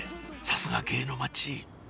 さすが芸の街